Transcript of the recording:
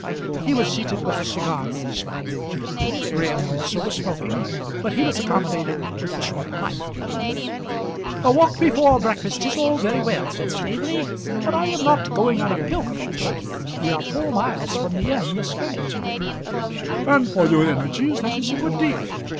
He was seated with a cigar in his mouth. Graham also was smoking, but he was accommodated with a short pipe. [Illustration: The English Von Bauhr and his pupil.] "A walk before breakfast is all very well," said Staveley, "but I am not going on a pilgrimage. We are four miles from the inn this minute." "And for your energies that is a good deal.